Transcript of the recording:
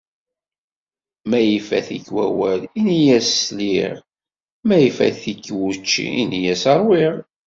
Ma ifat-ik wawal, ini-as sliɣ. Ma ifat-ik wučči, ini-as ṛwiɣ.